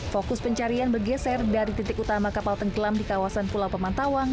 fokus pencarian bergeser dari titik utama kapal tenggelam di kawasan pulau pemantawang